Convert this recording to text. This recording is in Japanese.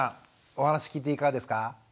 お話聞いていかがですか？